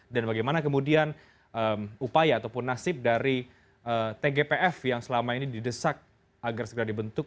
dan bagaimana kemudian upaya ataupun nasib dari tgpf yang selama ini didesak agar segera dibentuk